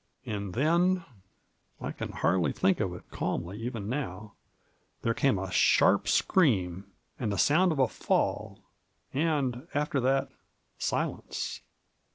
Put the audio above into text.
And then — I can hardly think of it calmly even now — there came a sharp scream, and the sound of a fall, and, after that, silence.